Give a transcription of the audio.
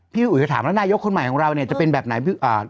พี่อุ๋ยจะถามแล้วนายกคนใหม่ของเราเนี่ยจะเป็นแบบไหน